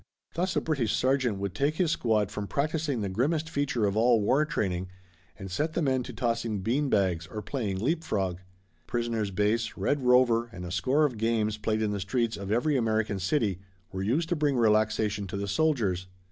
Thus a British sergeant would take his squad from practicing the grimmest feature of all war training and set the men to tossing beanbags or playing leapfrog. Prisoner's base, red rover and a score of games played in the streets of every American city were used to bring relaxation to the soldiers.